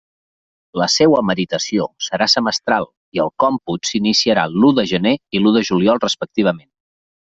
La seua meritació serà semestral, i el còmput s'iniciarà l'u de gener i l'u de juliol respectivament.